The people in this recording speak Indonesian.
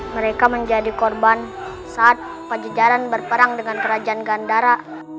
mereka menjadi korban saat pajajaran berperang dengan kerajaan gandara